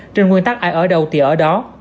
trên nguyên tắc ai ở đâu thì ở đó